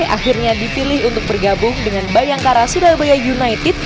akhirnya dipilih untuk bergabung dengan bayangkara surabaya united